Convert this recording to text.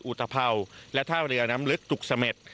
อุทธเผ่าและท่าเรือน้ำลึกจุกสะเม็ด